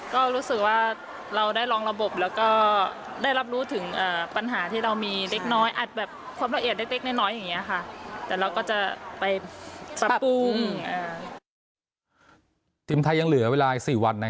ก็รู้สึกว่าเราได้ลองระบบแล้วก็ได้รับรู้ถึงปัญหาที่เรามีเล็กน้อย